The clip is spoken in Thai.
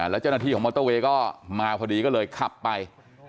แล้วเจ้าหน้าที่ของมอเตอร์เวย์ก็มาพอดีก็เลยขับไป